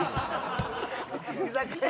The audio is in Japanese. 居酒屋。